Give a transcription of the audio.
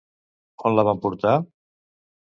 On la van portar?